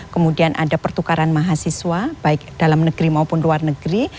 kemudian ada pertukaran mahasiswa baik dalam negeri maupun luar negeri